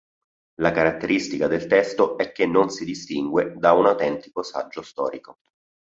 La caratteristica del testo è che non si distingue da un autentico saggio storico.